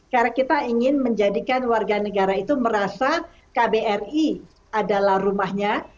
karena kita ingin menjadikan warga negara itu merasa kbri adalah rumahnya